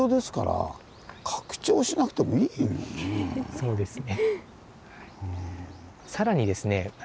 そうですね。